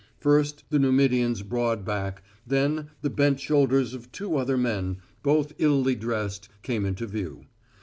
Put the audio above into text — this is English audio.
First, the Numidian's broad back, then, the bent shoulders of two other men, both illy dressed, came into view.